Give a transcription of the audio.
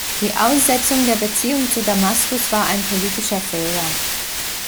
Die Aussetzung der Beziehungen zu Damaskus war ein politischer Fehler.